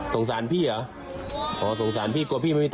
แล้วน้องได้เย็นน้องก็เลยเดินออกมาว่า